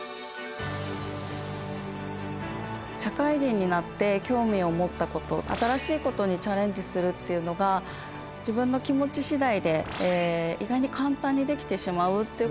社会人になって興味を持ったこと新しいことにチャレンジするっていうのが自分の気持ち次第で意外に簡単にできてしまうっていうことが分かりました。